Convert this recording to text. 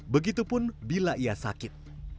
begitupun bila ia sakit